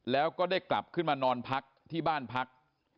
แล้วก็ได้กลับขึ้นมานอนพักที่บ้านพัก